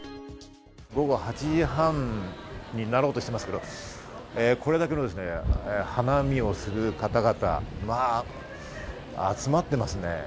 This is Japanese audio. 午後８時３０分になろうとしていますけれども、これだけの花見をする方々が集まっていますね。